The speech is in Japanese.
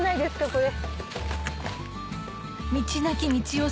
これ？